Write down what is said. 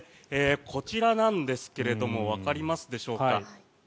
こちらなんですけれどもわかりますでしょうか。